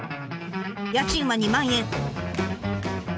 家賃は２万円。